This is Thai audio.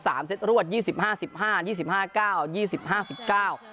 เซตรวดยี่สิบห้าสิบห้ายี่สิบห้าเก้ายี่สิบห้าสิบเก้า